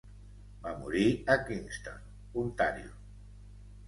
Va morir a Kingston, Ontario.